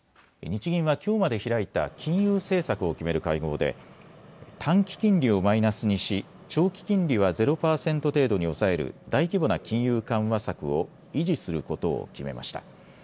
日銀はきょうまで開いた金融政策を決める会合で短期金利をマイナスにし長期金利はゼロ％程度に抑える大規模な金融緩和策を維持することを決めました。